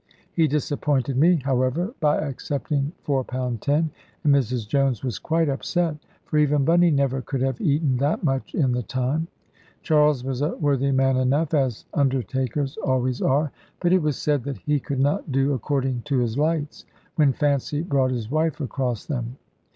He disappointed me, however, by accepting four pound ten, and Mrs Jones was quite upset; for even Bunny never could have eaten that much in the time. Charles was a worthy man enough (as undertakers always are), but it was said that he could not do according to his lights, when fancy brought his wife across them.